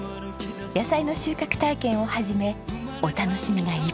野菜の収穫体験を始めお楽しみがいっぱいです。